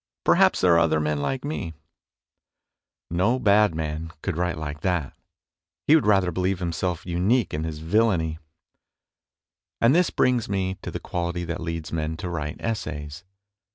Perhaps there are other men like me !" No bad man could write like that ; he would rather believe himself unique in his villainy. 12 MONOLOGUES And this brings me to the quality that leads men to write essays.